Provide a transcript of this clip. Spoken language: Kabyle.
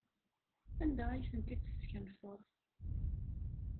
Anda ay tent-id-teskenfeḍ?